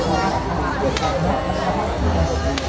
สนองกุฎาเกิดถึงสนามทาง